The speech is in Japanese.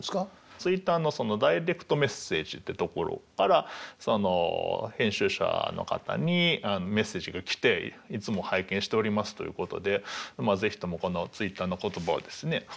ツイッターのダイレクトメッセージってところから編集者の方にメッセージが来ていつも拝見しておりますということで是非ともこのツイッターの言葉をですね